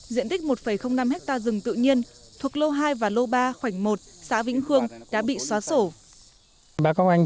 diện tích một năm hectare rừng tự nhiên thuộc lô hai và lô ba khoảnh một xã vĩnh khương đã bị xóa sổ